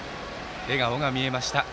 笑顔が見えました。